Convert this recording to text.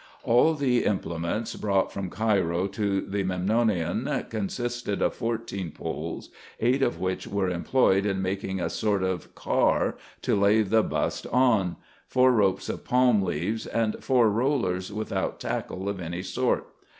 All the implements brought from Cairo to the Memnonium con sisted of fourteen poles, eight of which were employed in making a sort of car to lay the bust on, four ropes of palm leaves, and four rollers, without tackle of any sort.